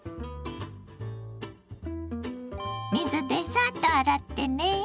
水でサッと洗ってね。